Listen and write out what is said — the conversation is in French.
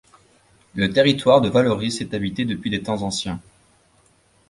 Le territoire de Vallauris est habité depuis des temps anciens.